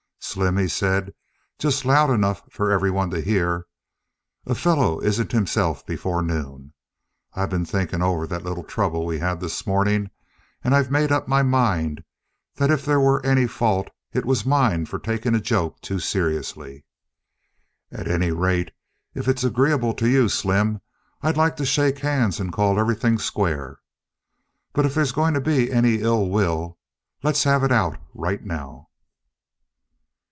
"Slim," he said, just loud enough for everyone to hear, "a fellow isn't himself before noon. I've been thinking over that little trouble we had this morning, and I've made up my mind that if there were any fault it was mine for taking a joke too seriously. At any rate, if it's agreeable to you, Slim, I'd like to shake hands and call everything square. But if there's going to be any ill will, let's have it out right now."